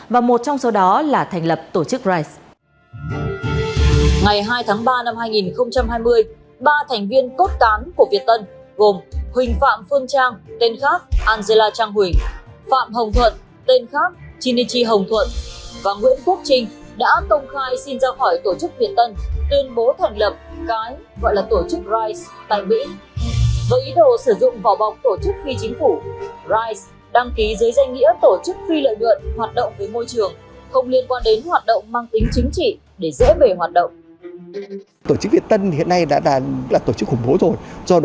và chúng cho rằng là một đảng lãnh đạo nó không dân chủ